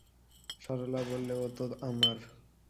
সরলা বললে, ও তো আমার।